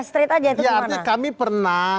straight aja itu gimana ya artinya kami pernah